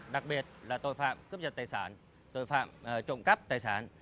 đặc biệt là tội phạm cướp giật tài sản tội phạm trộm cắp tài sản